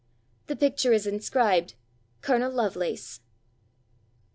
The picture is inscribed 'Col. Lovelace.